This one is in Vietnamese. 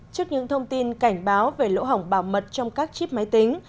trước những thông tin cảnh báo về lỗ hỏng bảo mật trong các chip máy tính